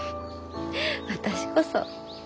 私こそ。